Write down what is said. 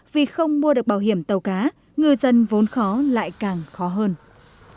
vì không mua được bảo hiểm tàu cá ngư dân vốn khó lại càng khó lại càng khó lại